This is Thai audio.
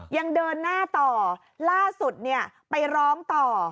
ยังเดินหน้าต่อล่าสุดเนี่ยไปร้องต่อ